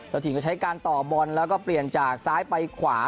ถิ่นก็ใช้การต่อบอลแล้วก็เปลี่ยนจากซ้ายไปขวา